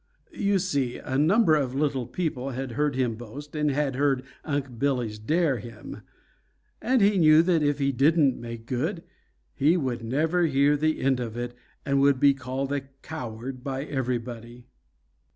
You see, a number of little people had heard him boast and had heard Unc' Billy dare him, and he knew that if he didn't make good, he would never hear the end of it and would be called a coward by everybody.